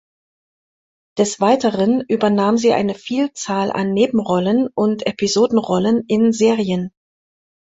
Des Weiteren übernahm sie eine Vielzahl an Nebenrollen und Episodenrollen in Serien.